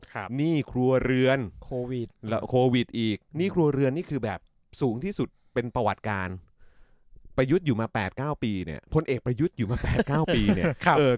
หนี้ครัวเรือนโควิดโควิดอีกหนี้ครัวเรือนนี่คือแบบสูงที่สุดเป็นประวัติการประยุทธ์อยู่มา๘๙ปีเนี่ยพลเอกประยุทธ์อยู่มา๘๙ปีเนี่ย